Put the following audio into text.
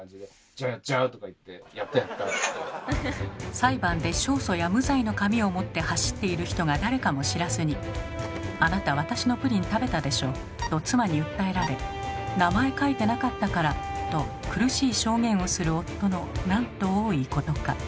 裁判で勝訴や無罪の紙を持って走っている人が誰かも知らずに「あなた私のプリン食べたでしょ」と妻に訴えられ「名前書いてなかったから」と苦しい証言をする夫のなんと多いことか。